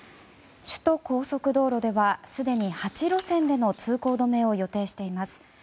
首都高速道路ではすでに８路線での通行止めを予定しています。